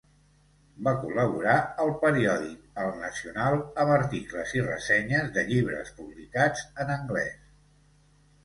Va col·laborar al periòdic El Nacional amb articles i ressenyes de llibres publicats en anglès.